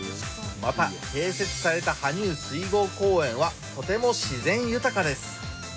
また、併設された羽生水郷公園はとても自然豊かです。